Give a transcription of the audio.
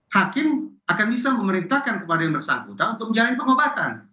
hakim akan bisa memerintahkan kepada yang bersangkutan untuk menjalani pengobatan